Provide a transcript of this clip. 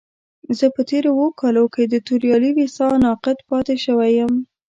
زه په تېرو اوو کالو کې د توريالي ويسا ناقد پاتې شوی يم.